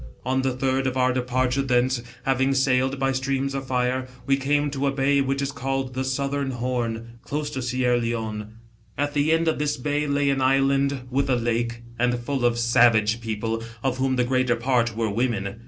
On the third of our TO SIERRA LEON,E. 79 Departure thence, having sailed by streams of fire, we* came to a bay which is called the Southern Horn (close to Sierra Leone). "At the end of this bay lay an island with a lake, and full of savage people, of whom the greater part were women.